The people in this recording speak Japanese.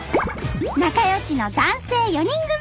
仲よしの男性４人組。